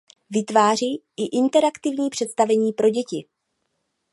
Vytváří i interaktivní představení pro děti.